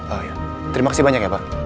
oh ya terima kasih banyak ya pak